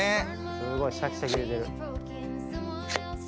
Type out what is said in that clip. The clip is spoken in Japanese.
すごいシャキシャキ出てる。